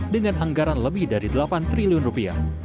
dengan anggaran lebih dari delapan triliun rupiah